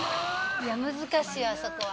難しいあそこは。